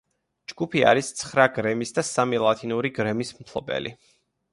ჯგუფი არის ცხრა გრემის და სამი ლათინური გრემის მფლობელი.